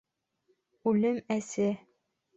- Үлем әсе.